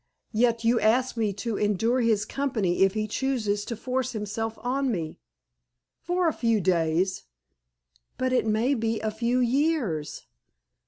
"Yet you ask me to endure his company if he chooses to force himself on me?" "For a few days." "But it may be a few years?"